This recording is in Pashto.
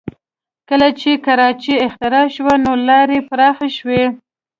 کله چې کراچۍ اختراع شوې نو لارې پراخه شوې